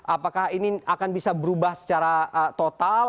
apakah ini akan bisa berubah secara total